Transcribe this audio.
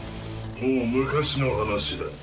もう昔の話だ。